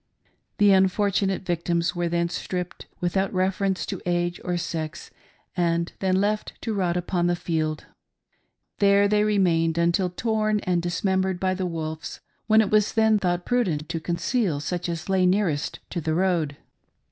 The unfortunate victims were then stripped, without reference to age or sex, and then left to rot upon the field. There they remained until torn and di, smembered by the wolves, when it was then thought prudent to conceal such as lay nearest to the road.